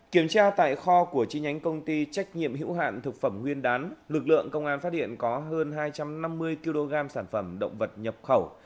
kiểm tra tại kho của chi nhánh công ty trách nhiệm hữu hạn thực phẩm nguyên đán lực lượng công an phát hiện có hơn hai trăm năm mươi kg sản phẩm động vật nhập khẩu